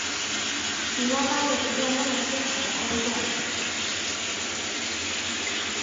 你妈妈也不用那么辛苦的工作